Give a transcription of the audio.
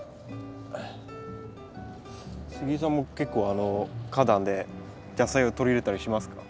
杉井さんも結構花壇で野菜を取り入れたりしますか？